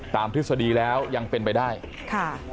ทฤษฎีแล้วยังเป็นไปได้ค่ะ